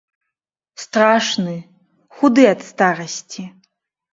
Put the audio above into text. Страшны, худы ад старасці.